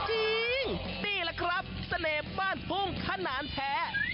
จริงนี่แหละครับเสน่ห์บ้านทุ่งขนาดแท้